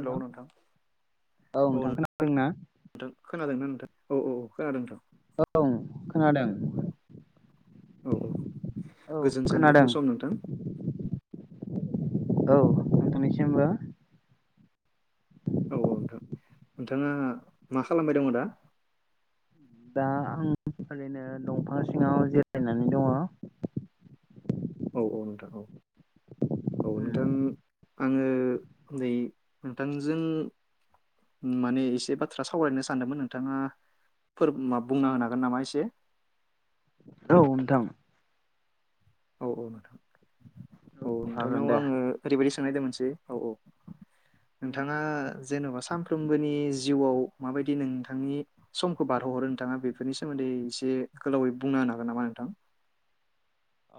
हेल' नोंथां औ नोंथां खोनादोंना नोंथां खोनादों नों? औ औ अ खानादों नोंथां। औ खोनादों? औ औ औ गोजोन खोनादों सानजौफु सम नोंथां। औ नोंथांनिसिम्बो। औ औ नोंथां नोंथाङा मा खालामबाय दङ दा? दा आं ओरैनो दंफां सिङाव जिरायनानै दङ। औ औ नोंथां औ। औ नोंथां आङो उन्दै नोंथांजों माने एसे बाथ्रा सावरायनो सानदोंमोन नोंथाङा फोर मा बुंना होन हागोन नामा एसे? औ नोंथां। औ औ नोंथां औ नोंथांनाव हागोन दे आङो ओरैबायदि सोंनायदोंमोनसे औ औ। नोंथाङा जेन'बा सानफ्रोमबोनि जिउआव माबायदि नोंथांनि समखौ बारहोहरो नोंथाङा बेफोरनि सोमोन्दै एसे गोलावै बुंना होनो हागोन नामा नोंथां?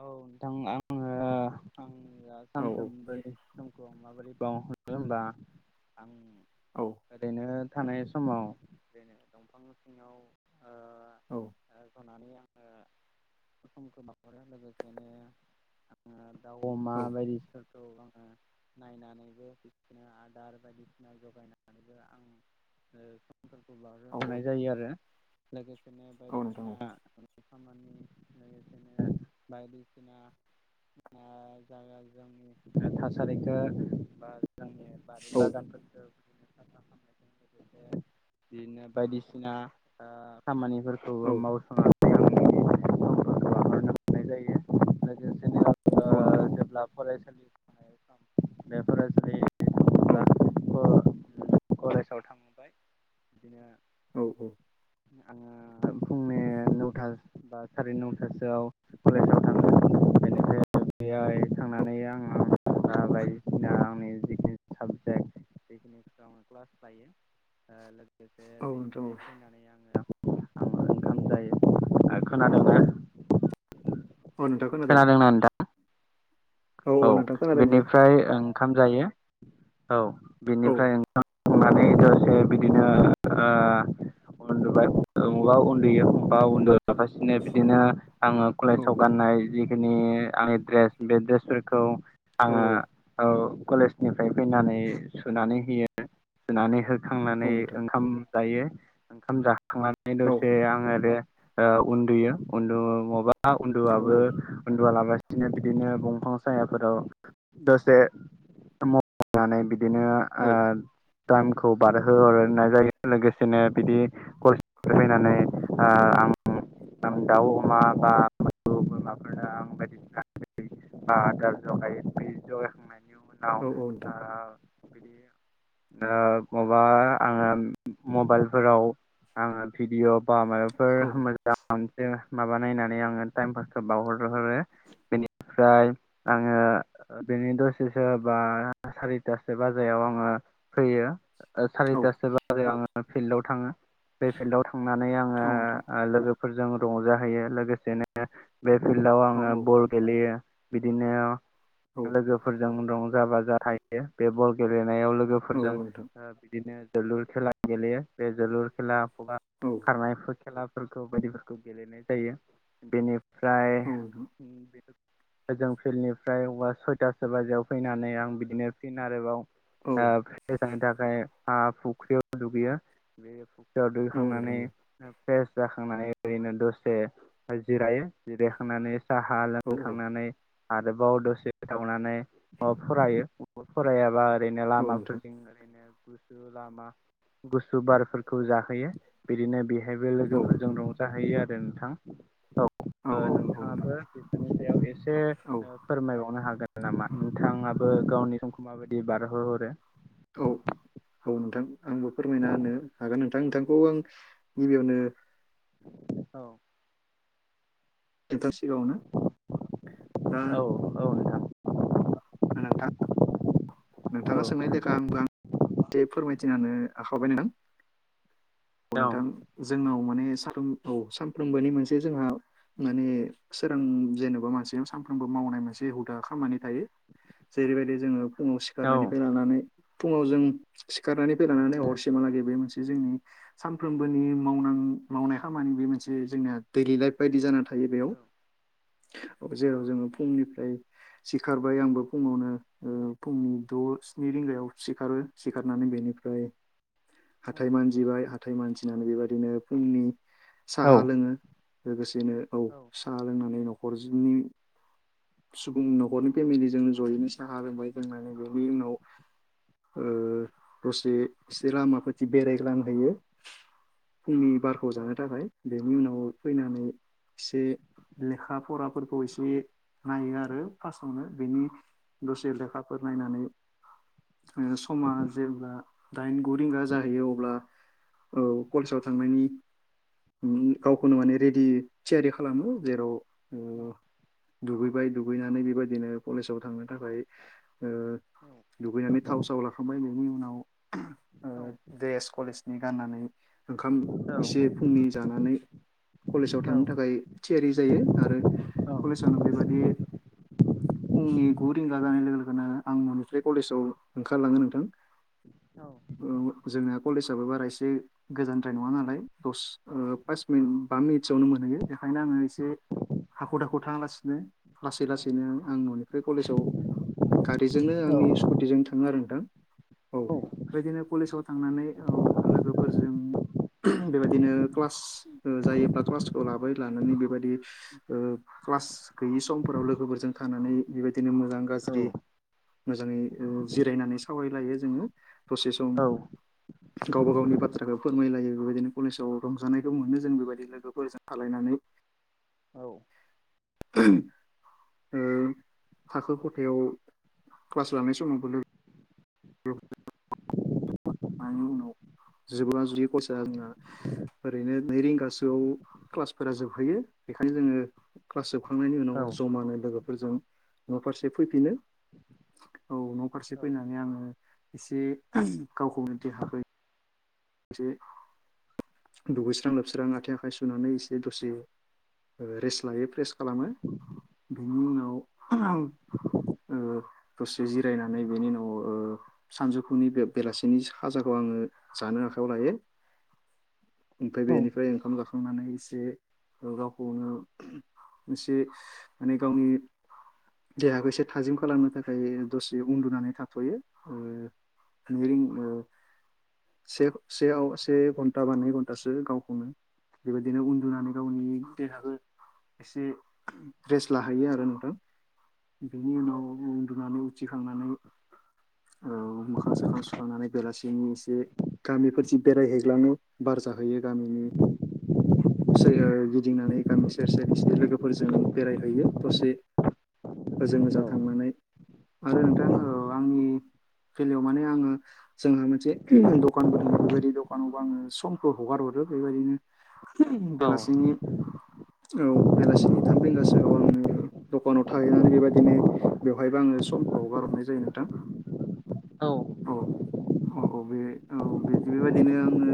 औ नोंथां आङो आंनिया औ औ सानफ्रोमबोनि समखौ माबोरै [unintelligible] हरो होनबा आं औ ओरैनो थानाय समाव जेनेबा दंफां सिङाव ओ औ। होननानै आङो समखौ बहरो लोगोसेनो आङो दाउ औ अमा बायदिसि नायनानैबो बिदिनो आदार बायदिसिना जगायनानैबो आं ओ फोरखौ बो औ हानाय जायो आरो लोगोसेनो औ नोंथां बायदिसिना खामानि लोगोसेनो बायदिसिना आ जागा जोंनि थासारिखौ बा जोंनि बारि औ बागानफोरखो साफाखामनायजों लोगोसे बिदिनो बायदिसिना ओ खामानि खौबो औ मावस' नाय जायो लोगोसेनो औ ओ नोंथां औ जेब्ला फरायसालि [inaudible] बेफोर फरायसालि औ। थाङोब्ला कलेजाव थांबाय बिदिनो औ औ। आङो फुंनि नौथा बा सारि नौथासोआव कलेजाव थाङो आ [inaudible] बेनिफ्राय बेहाय थांनानै आङो बायदिसिना आंनि जिखि साबजेक्ट बेखिनिखौ आङो क्लास लायो। ओ लोगोसे औ नोंथां औ बेनिफ्राय फैनानै आङो आंङो ओंखाम जायो ओ खोनादोंना? अ नोंथां खोनादों। खोनादोंना नोंथां औ नोंथां खोनादों दे बेनिफ्राय ओंखाम जायो। औ औ बिनिफ्राय ओंखाम संनानै दसे बिदिनो ओ उन्दुबाय मबा उन्दुयो मबा उन्दुफासिनो बिदिनो आङो औ कलेजाव गाननाय जिखिनि आंनि दड्रेस बे दड्रेसफोरखौ औ आङो औ कलेजनिफ्राय फैनानै सुनानै होयो सुनानै हो औ खांनानै नोंथां ओंखाम जायो ओंखाम जाखांनानै औ दसे आङो रेज ओ उन्दुयो उन्दु माबा औ उन्दुआबो उन्दुालाबासि बिदिनो बिदिनो दंफां सायाफोराव दसे मबाइल नायनानै बिदि बिदिनो औ ओ दामखौ बारहोरनाय जायो लोगोसेनो बिदि कलेजनिफ्राय औ फैनानै ओ आं उम आं दाउ अमा बा मोसौ बोरमाफोरनो आं बायदिसिना आदार होयो। ओ आदार जगायो बे जगाखांनायनि उनाव औ नोंथां औ औ नोंथां ओ बिदि [inaudible] ओ माबा आङो मबाइलफोराव आङो भिडिअ' बा माबाफोर औ मोजांसै माबा नायनानै आङो टाइम पासखौ बावहरोहरो बेनिफ्राय आङो बेनि दसेसो बा सारिथासो बाजायाव आङो फैयो। [unintelligible] औ नोंथां औ नोंथां सारिथासो बाजै आङो फिल्डाव थाङो बे फिल्डाव थांनानै औ औ नोंथां औ आङो नोंथां औ नोंथां औ लोगो फोरजों रंजाहैयो लोगोसेनो बे फिल्डाव औ आङो नोंथां बल गेलेयो। बिदिनो लोगोफोरजों रंजा बाजा थायो। बे बल गेले नायाव लोगोफोरजों बिदिनो जोलुर खेला गेलेयो बे जोलुर खेला बा खारनाय खेलाफोरखौ बायदिफोरखौ गेलेनाय जायो। बेनि फ्राय बे ओजों फिल्डनिफ्राय सयतासो बाजियाव फैनानै आं बिदिनो फिन आरोबाव ओ फ्रेस जानो थाखाय आ फुख्रियाव दुगैयो। बे याव औ दैखांनानै फ्रेस जाखांनानै ओरैनो दसे जिरायो जिरायखांनानै साहा लोंखां आरोबाव दसे थावनानै फरायो फरायाबा ओरैनो लामाफोरजों ओरैनो गुसु लामा गुसु बारफोरखौ जाहोयो। बिदिनो बे बेहायबो लोगोफोरजों रंजाहैयो आरो नोंथां। औ नोंथाङाबो बेफोर एसे फोरमाय बावनो हागोन नामा नोंथाङाबो गावनि समखौ माबायदि बारहोहरो? औ औ नोंथां आंबो फोरमायना होनो हागोन नोंथां नोंथांखौ आं गिबियावनो औ नोंथां सिगाङावनो औ दा औ नोंथां। नोंथां नोंथाङा सोंनाय लेखा आंबो आं जे फोरमाय थिनानो आखाय [unintelligible] औ नोंथां जोंनाव औ [unintelligible] सानफ्रोबोनि मोनसे जोंहा माने सोरां जेनबा मानसि नाव सानफ्रोमबो मावनाय मोनसे हुदा खामानि थायो। जेरैबायदि जोंङो फुङाव औ सिखारनायनिफ्राय लानानै फुंङाव जों सिखारनानै फैलानानै हरसेमहालागै बे मोनसे जोंनि सानफ्रोमबोनि मावनां मावनाय खामानि बे मोनसे जोंनिया दैलि लाइफ बायदि जाना थायो बेयाव। जेराव जोंङो फुंनिफ्राय सिखारबाय आंबो फुङावनो फुंनि द स्नि रिंगायाव सिखारो सिखारनानै बेनिफ्राय हाथाय मानजिबाय हाथाय मानजिनानै बेबायदिनो फुंनि साहा लोंङो। लोगोसेनो औ साहा लोंनानै न' खरनि सुबुं न'खरनि फेमिलिजों जयैनोसाहा लोंबाय लोंनानै बेनि उनाव ओ दसे एसे लामाफोरथि बेरायग्लांहैयो। फुंनि बारखौ जानो थाखाय बेनि उनाव फैनानै एसे लेखा फराफोरखौ एसे नायो आरो फास्स्आवनो बेनि दसे लेखाफोर नायनानै समा जेब्ला दाइन गु रिंगा जाहैयो अब्ला कलेजाव थांनायनि गावखौनो माने रेडि थियारि खालामो। जेराव दुगैबाय दुगैनानै बेबायदिनो कलेजाव थांनो थाखाय दुगैनानै थाव साव लाखांबाय बिनि उनाव द्रेस कलेजनि गाननानै ओंखाम एसे फुंनि जानानै कलेजाव औ थांनो थाखाय थियारि जायो। आरो नोंथां कलेजावनो बेबादि फुंनि गु जानाय लोगो लोगोनो आं न'निफ्राय कलेजाव ओंखारलांङो नोंथां। औ जोंना कलेजाबबो बारा एसे गोजानद्राय नंङा नालाय दस पास मिनिट बा मिनिटसोआवनो मोनो बेखायनो आंङो एसे हाख दाखु थांङालासिनो लासै लासैनो आं ननिफ्राय कलेजाव गारिजोंनो आंनि स्कुटिजों थाङो आरो थां औ बेदिनो कलेजाव थांनानै औ लोगोफोरजों [unintelligible] बेबायदिनो क्लास जायोब्ला क्लासखौ लाबाय लानानै बेबायदि ओ क्लास गैयि समफोराव लोगोफोरजों थानानै बेबायदिनो मोजां गाज्रि मोजाङै जिरायनानै सावरायलायो जोङो दसे सम गावबा गावनि बाथ्राखौ फोरमायलायो बेबायदिनो कलेजाव रंजानायखौ मोनो जों बेबायदि लोगोफोरजों थालायनानै [inaudible] औ [unintelligible] ओ थाखो खथायाव क्लास लानाय समावबो लोगो [unintelligible] उनाव जोबा जुदि खरसा जोंना ओरैनो नै रिंगासोआव क्लासफोरा जोबहैयो बेखायनो जोङो क्लास जोब खांनायनि उनाव जमानो लोगोफोरजों न फारसे फैफिनो औ फारसे फैनानै आङो इसे गावखौनो देहा फै इसे दुगैस्रां लोबस्रां आथें आखाइ सुनानै इसे दसे रेस लायो फ्रेस खालामो बिनि उनाव [unintelligible] ओ दसे जिरायनानै बेनि उनाव ओ सानजौफुनि बे बेलासिनि खाजाखौ आङो जानो आ खायाव लायो ओमफाय बेनिफाय ओंखाम जाखांनानै इस मोनसे गावखौनो मोनसे माने गावनि देहाखौ एसे थाजिम खालामनो थाखाय दसे उन्दुनानै थाथ'यो। [unintelligible] से सेयाव से घन्टा बा नै घन्टासो गावखौनो बेबायदिनो उन्दुनानै गावनि देहाखौ इसे रेस लाहैयो आरो नोंथां। बेनि उनाव उन्दुनानै उथिखांनानै औ मोखां सोखां सुखांनानै बेलासिनि इसे गामिफोर जि बेरायहैगलाङो बार जाहैयो गामिनि [unintelligible] गिदिंनानै गामि सेर सेर इसे लोगोफोरजों बेरायहैयो दसे ओजों ओजा थांनानै आरो नोंथां ओ आंनि फेलायाव माने आङो जोंहा मोनसे [unintelligible] दखानबो दङ बेबायदि दखानावबो आङो समखौ हगार हरो बेबायदिनो [unintelligible] बेलासिनि औ बेलासिनि थाम रिंगासोआव आङो दखानाव थाहैनानै बेबायदिनो बेवहायबो आङो स फ्राव गारहरनाय जायो नोंथां। औ औ औ बे औ बिदि बेबायदिनो आङो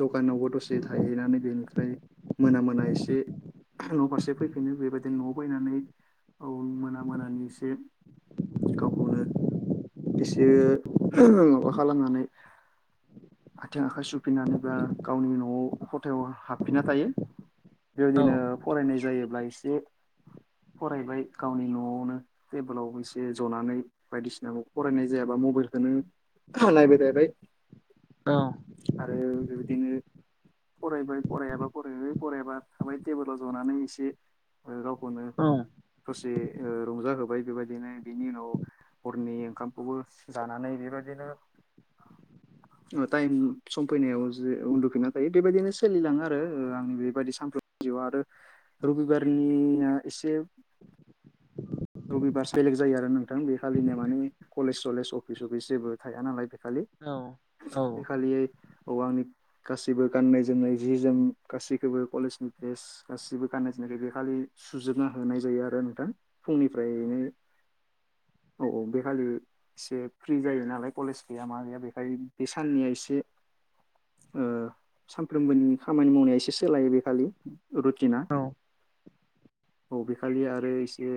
दखानावबो दसे थाहैनानै बेनिफ्राय मोना मोना इसे न'फारसे फैफिनो बेबायदिनो न'आव फैनानै औ मोना मोनानि इसे गावखौनो इसे [unintelligible] माबा खालामनानै आथिं आखाइ सुफिननानै बा गावनि न'आव खथायाव हाबफिनना थायो। बेबायदिनो फरायनाय जायोब्ला इसे फरायबाय गावनि न'आवनो टेबोलाव इसे जनानै बायदिसिनाखौ फरायनाय जायाबा मबाइल बेनो [unintelligible] नायबाय थायबाय आरो बेबायदिनो फरायबाय फरायाबा फरायबाय फरायाबा थाबाय टेबोलाव जनानै इसे ओ रावखौनो दसे रंजाहोबाय बेबायदिनो बेनि उनाव हरनि ओंखामखौबो जानानै बेबायदिनो [inaudible] टाइम सम फैनायाव जे उन्दुफिननानै थायो बेबायदिनो सोलिलाङो आरो आंनि बेबायदि सानफ्रोम आरो रबिबारनिआ इसे रबिबार्स बेलेग जायो आरो नोंथां, बे खालिनिया माने कलेज-सलेज अफिस-सफिस जेबो थाया नालाय बे खालि बे खालि औ आंनि गासैबो गाननाय-जोमनाय, जि-जोम गासैखौबो कलेजनि द्रेस गासिबो गाननाय जोमनाय- खौ बेखालि सुजोबना होनाय जायो आरो नोंथां फुंनिफ्रायनो। औ औ, बेखालि एसे फ्रि जायो नालाय कलेज गैया मा गैया बेखाय बे साननिया एसे ओ सानफ्रोमबोनि खामानि मावनाया एसे सोलायो बे खालि। रुटिना, औ बेखालि आरो एसे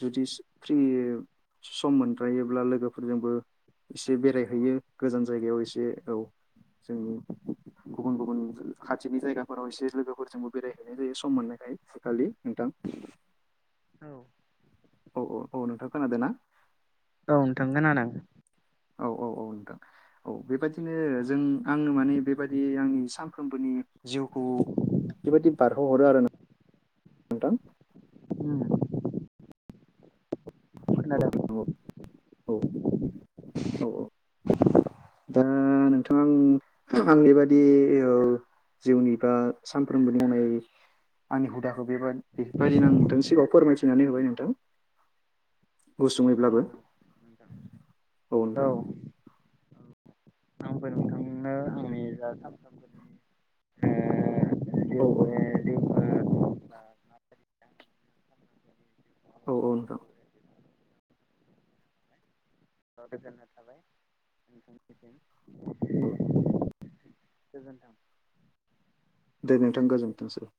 जुदि फ्रि सम मोनद्रायोब्ला लोगोफोरजोंबो एसे बेरायहैयो गोजान जायगायाव एसे औ जोंनि गुबुन गुबुन खाथिनि जायगाफोराव एसे लोगोफोरजोंबो बेरायहैनाय जायो सम मोननायखाय बेखालि नोंथां। [unintelligible] औ। औ औ, औ नोंथां खोनादों ना? औ नोंथां खोनादों। औ औ औ नोंथां, औ बेबायदिनो जों आङो माने बेबायदि आंनि सानफ्रोमबोनि जिउखौ बेबायदि बारहोहरो आरो नों- थां। खोनादों औ औ औ औ। दा नोंथां आंनि बादि औ जिउनि बा सानफ्रोमबो बुंनाय आंनि हुदाखौ बेबा-बेफोरबायदिनो आं नोंथांनि सिगाङाव फोरमायथिनानै होबाय नोंथां गुसुङैब्लाबो। औ। दा आंनि जा सानफ्रोमबोनि ओ औ जिउ औ बे जिउखौ बा माबायदि औ औ नोंथां। अ' गोजोननाय थाबाय। नोंथांनिसिम औ। गोजोन्थों। दे नोंथां गोजोनथोंसै।